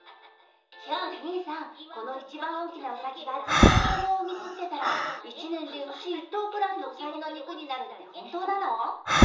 兄さん、この一番大きなうさぎがずっと子どもを産み続けたら、１年で牛１頭ぐらいのうさぎの肉になるって本当なの？